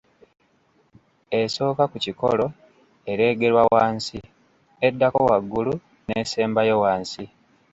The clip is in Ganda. Esooka ku kikolo ereegerwa wansi, eddako waggulu n’esembayo wansi.